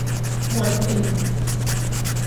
หมวดหนึ่ง